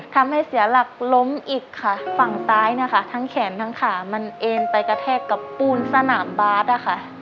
ทำให้เสียหลักล้มอีกค่ะฝั่งซ้ายนะคะทั้งแขนทั้งขามันเอ็นไปกระแทกกับปูนสนามบาสนะคะ